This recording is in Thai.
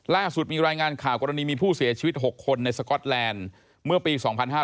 ล่าสุดมีรายงานข่าวกรณีมีผู้เสียชีวิต๖คนในสก๊อตแลนด์เมื่อปี๒๕๕๙